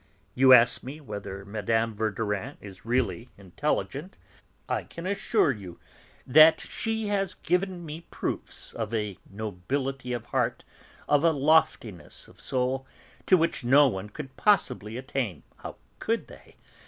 You ask me whether Mme. Verdurin is really intelligent. I can assure you that she has given me proofs of a nobility of heart, of a loftiness of soul, to which no one could possibly attain how could they?